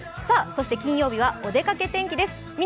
そして金曜日はお出かけ天気です。